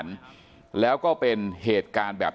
มีคลิปก่อนนะครับ